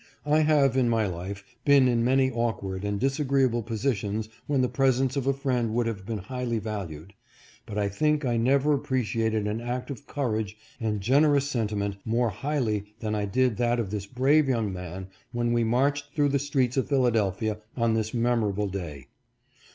I have in my life been in many awkward and disagree able positions when the presence of a friend would have been highly valued, but I think I never appreciated an act of courage and generous sentiment more highly than I did that of this brave young man when we marched 476 PRINCIPLE TRIUMPHS OVER COWARDICE. through the streets of Philadelphia on this memorable day.